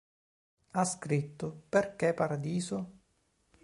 Ha scritto: "Perché "Paradiso"?